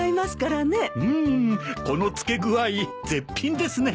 うんこの漬け具合絶品ですね。